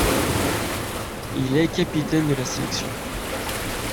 Il est capitaine de la sélection.